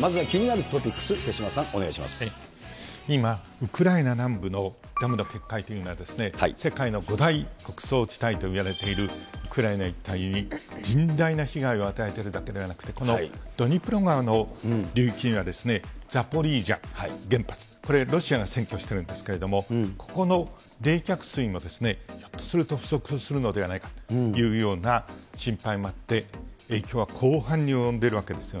まずは気になるトピックス、今、ウクライナ南部のダムの決壊というのは、世界の５大穀倉地帯といわれているウクライナ一帯に甚大な被害を与えてるだけではなくて、このドニプロ川の流域にはザポリージャ原発、これ、ロシアが占拠してるんですけれども、ここの冷却水も、ひょっとすると不足するのではないかというような心配もあって、影響は広範囲に及んでいるわけですよね。